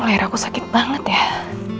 akhirnya aku sakit banget ya